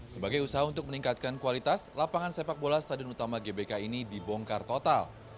sebagai usaha untuk meningkatkan kualitas lapangan sepak bola stadion utama gbk ini dibongkar total